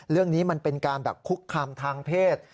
เรื่องนี้มันเป็นการแบบคุกคำทางเพศ